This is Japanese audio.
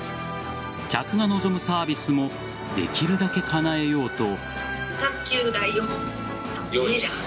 客が望むサービスをできるだけかなえようと。